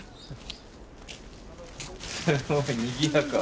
すごいにぎやか。